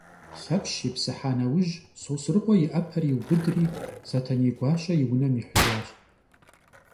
Lhepş yipsıha neuj, Sosrıkhue yi 'eper yiubıdri, Setenêy guaşe yi vunem yihıjjaş.